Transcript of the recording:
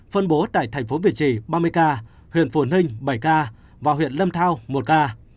phân bố tại thành phố việt trì ba mươi ca huyện phổ ninh bảy ca và huyện lâm thao một ca